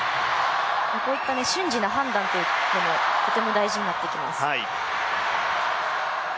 こういった瞬時の判断っていうのはとても大事になってきます。